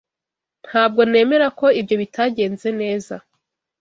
Ntabwo nemera ko ibyo bitagenze neza.